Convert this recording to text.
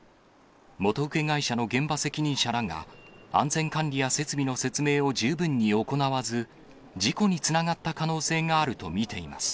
元請け会社の現場責任者らが、安全管理や設備の説明を十分に行わず、事故につながった可能性があると見ています。